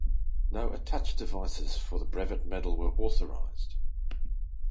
No attached devices for the Brevet Medal were authorized.